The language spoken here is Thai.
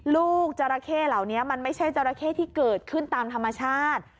จราเข้เหล่านี้มันไม่ใช่จราเข้ที่เกิดขึ้นตามธรรมชาติ